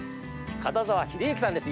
片澤英幸さんです。